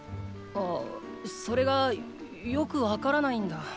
ああそれがよく分からないんだ。